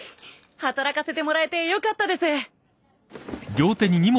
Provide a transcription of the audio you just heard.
働かせてもらえてよかったです！